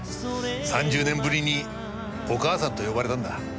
３０年ぶりにお母さんと呼ばれたんだ。